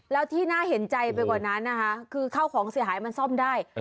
แล้วที่น่าเห็นใจไปกว่านั้นนะคะคือเข้าของเสียหายมันซ่อมได้